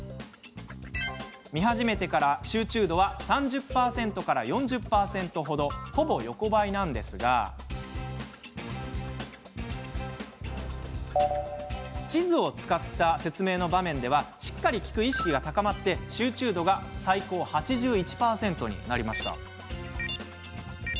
見始めてから集中度は３０％から４０％程とほぼ横ばいなんですが地図を使った説明の場面でしっかり聞く意識が高まって集中度が最高８１％になりました。